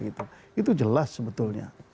itu jelas sebetulnya